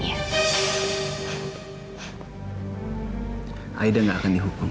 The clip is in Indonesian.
nidra itu terlalu menplay brand